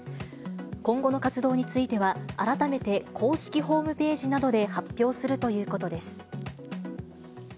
今後の活動については、改めて公式ホームページなどで発表するということです。